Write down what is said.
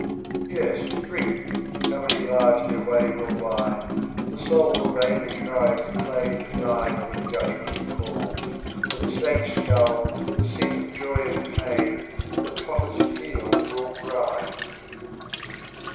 21 Yes drink; — how many Lives their Way will wind? — The Soul will vainly try its Clay to find When Judgment calls, for this same Skull, the Seat Of Joy and Pain, the Potter's Heel will grind.